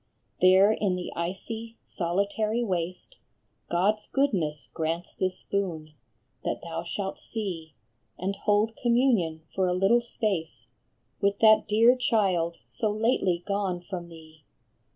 " There, in the icy, solitary waste, God s goodness grants this boon, that thou shalt see, And hold communion for a little space With that dear child so lately gone from thee.